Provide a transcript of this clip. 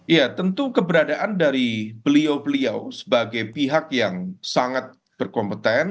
ya tentu keberadaan dari beliau beliau sebagai pihak yang sangat berkompeten